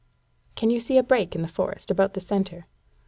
Can you see a break in the forest, about the centre?"